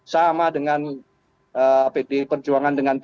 sama dengan pdi perjuangan dengan p tiga